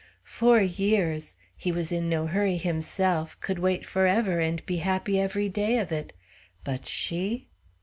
Four years! He was in no hurry himself could wait forever and be happy every day of it; but she?